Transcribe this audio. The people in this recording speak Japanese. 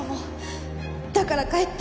だから帰って。